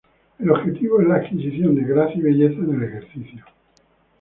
El objetivo es la adquisición de gracia y belleza en el ejercicio.